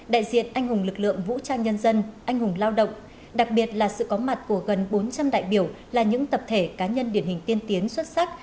đại diện anh hùng lực lượng vũ trang nhân dân anh hùng lao động đặc biệt là sự có mặt của gần bốn trăm linh đại biểu là những tập thể cá nhân điển hình tiên tiến xuất sắc